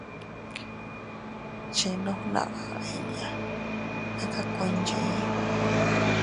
Chinnu fnaʼa inña meka kuinchii.